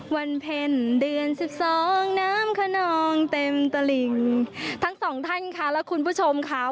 วันเพ็ญเดือนสิบสองน้ำขนองเต็มตลิงทั้งสองท่านค่ะและคุณผู้ชมค่ะ